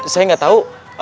saya gak tau